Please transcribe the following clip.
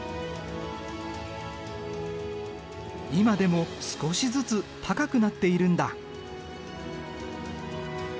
今でも少しずつ高くなっているんだ。